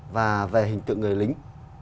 và về hình tượng người lính